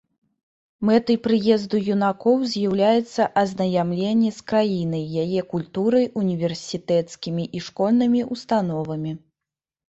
Мэтай прыезду юнакоў з'яўляецца азнаямленне з краінай, яе культурай, універсітэцкімі і школьнымі ўстановамі.